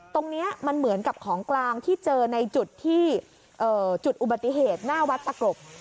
ตรงนี้มันเหมือนกับของกลางที่เจอในจุดที่จุดอุบัติเหตุหน้าวัดตะกรบ